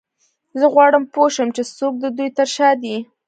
زه غواړم پوه شم چې څوک د دوی تر شا دی